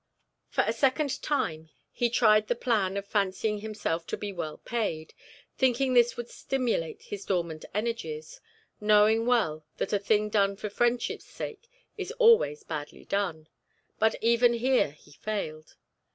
For a second time, he tried the plan of fancying himself to be well paid, thinking this would stimulate his dormant energies, knowing well that a thing done for friendship's sake is always badly done; but even here he failed.